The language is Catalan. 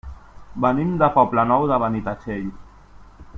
Venim del Poble Nou de Benitatxell.